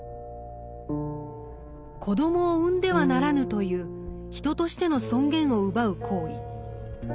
「子どもを産んではならぬ」という人としての尊厳を奪う行為。